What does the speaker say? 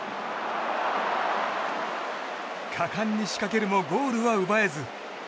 果敢に仕掛けるもゴールは奪えず。